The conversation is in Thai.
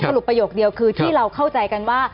ประโยคเดียวคือที่เราเข้าใจกันว่า